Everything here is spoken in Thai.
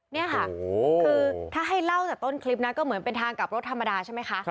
นี่ค่ะคือถ้าให้เล่าจากต้นคลิปนะก็เหมือนเป็นทางกลับรถธรรมดาใช่ไหมคะ